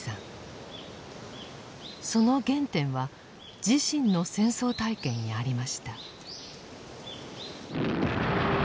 その原点は自身の戦争体験にありました。